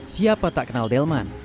siapa tak kenal delman